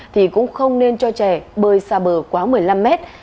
thì cũng không nên cho trẻ bơi xa bờ quá một mươi năm mét